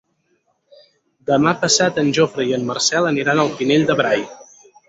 Demà passat en Jofre i en Marcel aniran al Pinell de Brai.